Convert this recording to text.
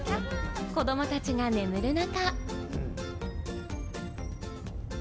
子供たちが眠る中。